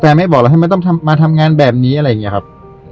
แฝนไม่บอกเราให้มาทำงานแบบนี้อะไรอย่างแบบนี้ครับ